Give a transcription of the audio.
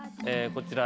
こちら。